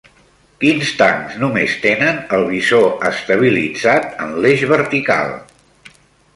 Quins tancs només tenen el visor estabilitzat en l'eix vertical?